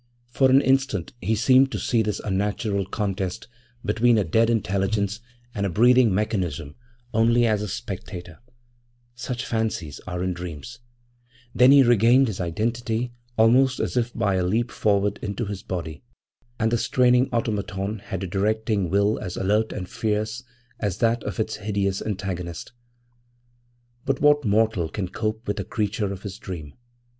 For an instant he seemed to see this unnatural contest between a dead intelligence and a breathing mechanism only as a spectator such fancies are in dreams; then he regained his identity almost as if by a leap forward into his body, and the straining automaton had a directing will as alert and fierce as that of its hideous antagonist. < 8 > But what mortal can cope with a creature of his dream?